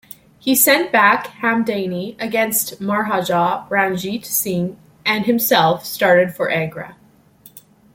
He sent back Hamdani against Maharaja Ranjit Singh and himself started for Agra.